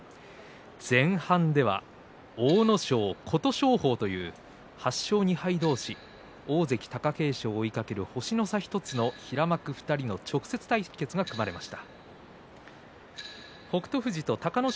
前半では阿武咲、琴勝峰という８勝２敗同士大関貴景勝を追いかける星の差１つの平幕２人が直接対決が組まれました。